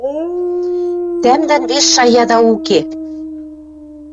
Тӓмдӓн вес шаяда уке.